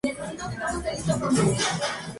McKee nació en Londres, Inglaterra.